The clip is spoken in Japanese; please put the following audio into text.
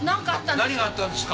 何があったんですか？